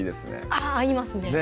あぁ合いますね